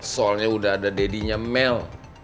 soalnya udah ada dadinya mel